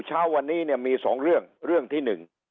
ข่าววันนี้เนี่ยมี๒เรื่องเรื่องที่๑